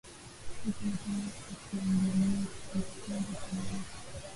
huku mkewe akiambulia kifungo cha maisha